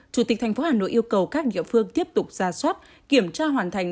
chủ tịch tp hà nội yêu cầu các địa phương tiếp tục ra sót kiểm tra hoàn thành